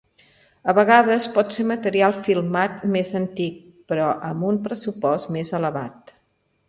A vegades pot ser material filmat més antic, però amb un pressupost més elevat.